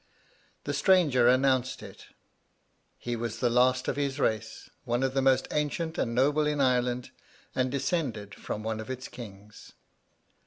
The stranger announced it, (he was the last of his race, one of the most ancient and noble in Ireland, and descended from one of its kings.)